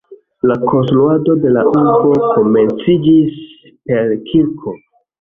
La konstruado de la urbo komenciĝis per kirko.